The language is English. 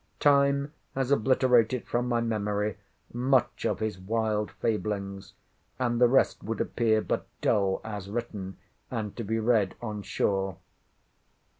Time has obliterated from my memory much of his wild fablings; and the rest would appear but dull, as written, and to be read on shore.